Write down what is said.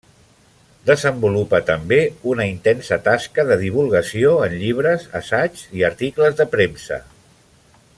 Desenvolupa també una intensa tasca de divulgació en llibres, assaigs i articles de premsa.